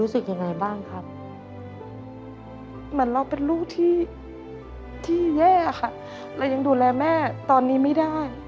ที่แย่ค่ะเรายังดูแลแม่ตอนนี้ไม่ได้